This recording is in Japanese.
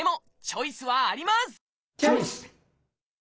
チョイス！